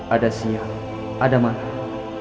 ada siang ada malam